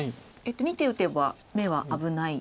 ２手打てば眼は危ない。